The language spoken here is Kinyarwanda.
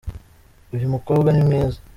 Uyu mukobwa nimwiza.